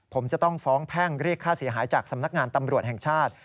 ผมจะต้องฟ้องแพ่งเรียกค่าเสียหายจากสำนักงานตำรวจแห่งชาติ